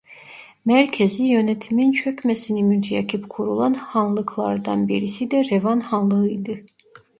Merkezi yönetimin çökmesini müteakip kurulan hanlıklardan birisi de Revan Hanlığı'ydı.